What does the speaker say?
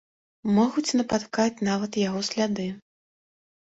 Могуць напаткаць нават яго сляды.